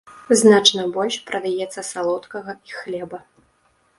Значна больш прадаецца салодкага і хлеба.